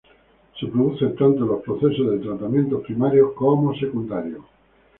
Se produce tanto en los procesos de tratamientos primarios como secundarios.